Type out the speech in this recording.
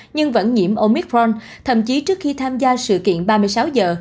nhưng vẫn nhiễm omicron thậm chí trước khi tham gia sự kiện ba mươi sáu giờ